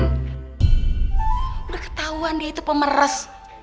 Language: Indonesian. sudah ketahuan dia itu pemeres